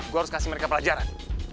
gue harus kasih mereka pelajaran